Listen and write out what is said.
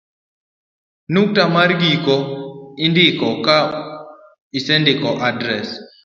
nukta mar giko indiko ka isendiko adres